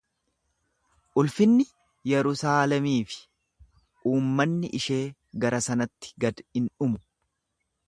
Ulfinni Yerusaalemii fi uummanni ishee gara sanatti gad in dhumu.